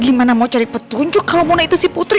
gimana mau cari petunjuk kalau mona itu si putri